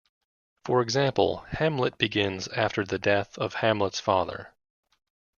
For example, "Hamlet" begins after the death of Hamlet's father.